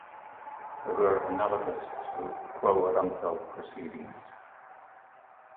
They were analogous to "quo warranto" proceedings.